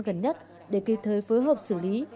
gần nhất để kịp thời phối hợp xử lý